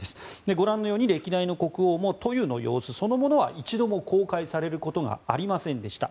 ご覧のように歴代の国王も塗油の様子そのものは一度も公開されることはありませんでした。